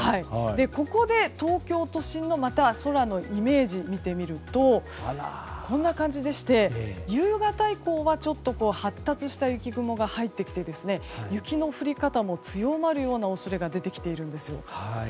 ここで、東京都心の空のイメージを見てみるとこんな感じでして夕方以降は発達した雪雲が入ってきて、雪の降り方も強まるような恐れが出てきているんです。